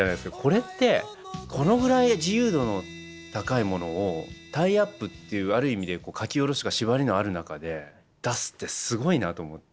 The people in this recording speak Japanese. これってこのぐらい自由度の高いものをタイアップっていうある意味で書き下ろしというか縛りのある中で出すってすごいなと思って。